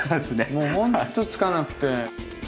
もうほんとつかなくて。